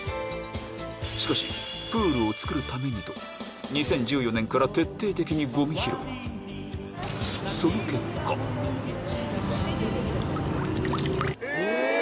しかしプールを造るためにと２０１４年から徹底的にその結果え！